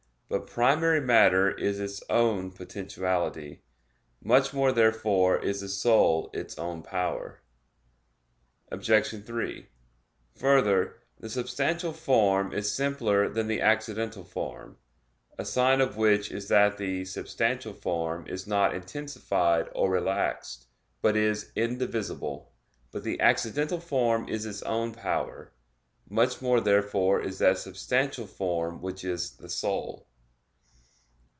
But primary matter is its own potentiality. Much more therefore is the soul its own power. Obj. 3: Further, the substantial form is simpler than the accidental form; a sign of which is that the substantial form is not intensified or relaxed, but is indivisible. But the accidental form is its own power. Much more therefore is that substantial form which is the soul.